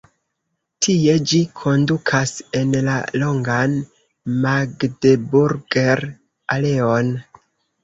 Tie ĝi kondukas en la longan "Magdeburger-aleon".